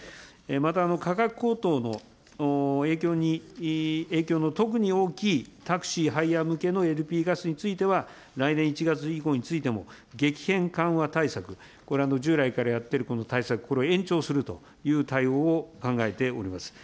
また価格高騰の影響の特に大きいタクシー、ハイヤー向けのＬＰガスについては、来年１月以降についても、激変緩和対策、これ、従来からやっているこの対策、これを延長するという対応を考えております。